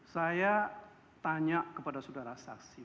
saya tanya kepada saudara saksi